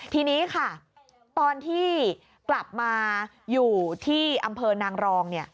ทีนี้ค่ะตอนที่กลับมาอยู่ที่อำเภอนางรอง